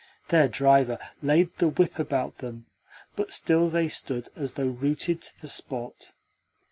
Their driver laid the whip about them, but still they stood as though rooted to the spot.